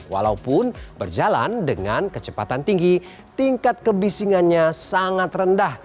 walaupun berjalan dengan kecepatan tinggi tingkat kebisingannya sangat rendah